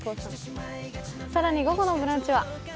更に午後の「ブランチ」は？